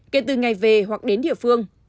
kể từ ngày về hoặc đến địa phương